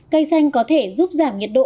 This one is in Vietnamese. cây xanh có thể giúp giảm nhiệt độ